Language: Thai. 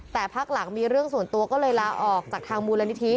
แต่พักหลังมีเรื่องส่วนตัวก็เลยลาออกจากทางมูลนิธิ